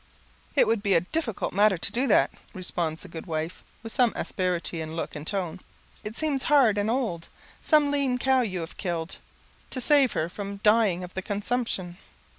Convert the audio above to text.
"It would be a difficult matter to do that," responds the good wife, with some asperity in look and tone. "It seems hard and old; some lean cow you have killed, to save her from dying of the consumption."